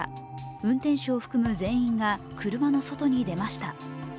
運転手を含む全員が車の外に出ました。